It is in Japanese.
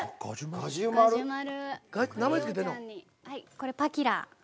はいこれパキラ。